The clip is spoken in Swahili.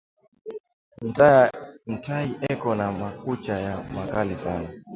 Ntayi eko na makucha ya makali sana